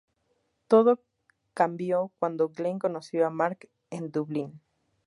Todo cambió cuando Glen conoció a Mark en Dublín.